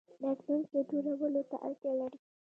راتلونکی جوړولو ته اړتیا لري